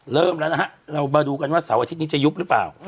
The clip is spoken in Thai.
เริ่มแล้วนะฮะเรามาดูกันว่าเสาร์อาทิตย์นี้จะยุบหรือเปล่า